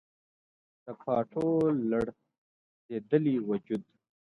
د پاڼو لړزیدلی وجود